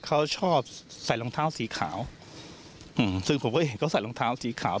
เขาชอบใส่รองเท้าสีขาวอืมซึ่งผมก็เห็นเขาใส่รองเท้าสีขาว